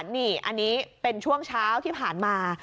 นี่อันนี้เป็นช่วงเช้าที่ผ่านมา